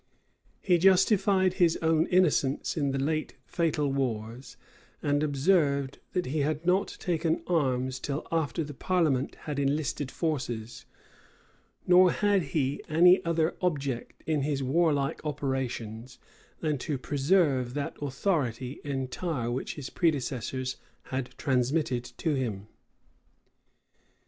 He justified his own innocence in the late fatal wars; and observed, that he had not taken arms till after the parliament had enlisted forces; nor had he any other object in his warlike operations, than to preserve that authority entire which his predecessors had transmitted to him.